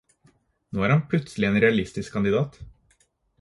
Nå er han plutselig en realistisk kandidat.